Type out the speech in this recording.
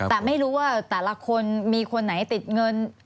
แต่ไม่รู้ว่าแต่ละคนมีคนไหนติดเงิน